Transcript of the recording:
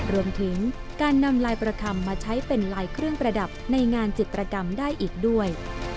รวมถึงการนำลายประคำมาใช้เป็นลายเครื่องประดับในงานจิตรกรรมได้อีกด้วย